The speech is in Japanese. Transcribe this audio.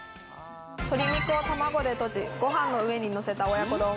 鶏肉を卵でとじ、ご飯の上にのせた親子丼。